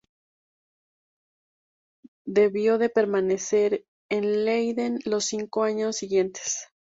Debió de permanecer en Leiden los cinco años siguientes.